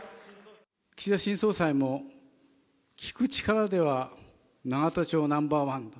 岸田新総裁も、聞く力では永田町ナンバーワン。